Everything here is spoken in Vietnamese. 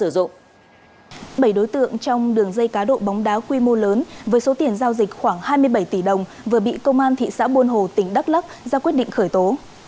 bảy đối tượng trong đường dây cá độ bóng đá quy mô lớn với số tiền giao dịch khoảng hai mươi bảy tỷ đồng vừa bị công an thị xã buôn hồ tỉnh đắk lắc ra quyết định khởi tố